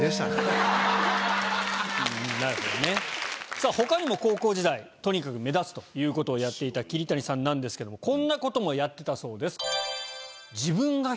さぁ他にも高校時代とにかく目立つということをやっていた桐谷さんなんですけどもこんなこともやってたそうです。